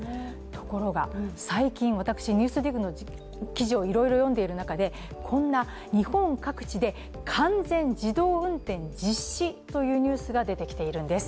ところが最近、私、「ＮＥＷＳＤＩＧ」の記事をいろいろ読んでいる中でこんな日本各地で「完全自動運転実施」というニュースが出てきているんです。